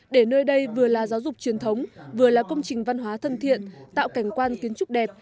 để nơi đây vừa là giáo dục truyền thống vừa là công trình văn hóa thân thiện tạo cảnh quan kiến trúc đẹp